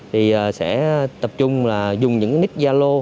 thì sẽ tập trung là dùng những nick yalo